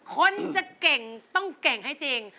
คนจะเก่งต้องเก่งให้จริง